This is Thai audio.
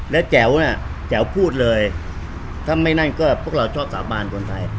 แล้วแจ๋วน่ะแจ๋วพูดเลยถ้าไม่นั่นก็พวกเราชอบสาบานคนไทย